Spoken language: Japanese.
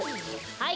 はい。